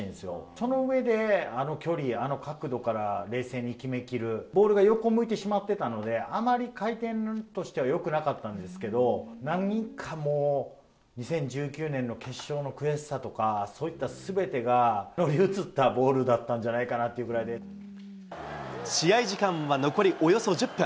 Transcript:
その上で、あの距離、あの角度から冷静に決めきる、ボールが横向いてしまってたので、あまり回転としてはよくなかったんですけど、何かもう、２０１９年の決勝の悔しさとか、そういったすべてが乗り移ったボールだったんじゃないかっていう試合時間は残りおよそ１０分。